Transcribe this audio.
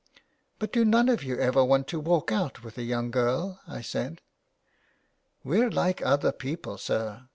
'* But do none of you ever want to walk out with a young girl ?" I said. *' We're like other people, sir.